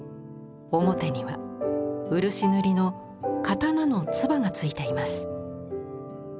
表には漆塗りの刀の鐔が付いています。